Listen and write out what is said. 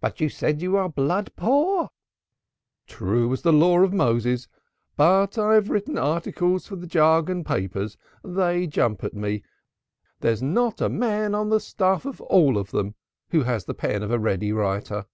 "But you say you are blood poor." "True as the Law of Moses! But I have written articles for the jargon papers. They jump at me there is not a man on the staff of them all who has the pen of a ready writer.